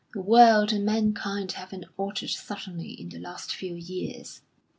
The world and mankind haven't altered suddenly in the last few years."